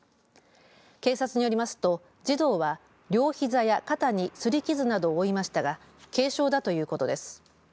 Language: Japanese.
警察によりますと児童は両ひざや肩にすり傷などを負いましたが軽傷だということです。